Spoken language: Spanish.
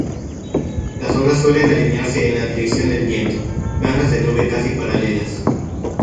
Las ondas suelen alinearse en la dirección del viento, franjas de nubes casi paralelas.